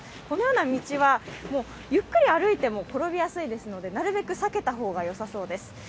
このような道は、ゆっくり歩いても転びやすいのでなるべく避けた方がよさそうです。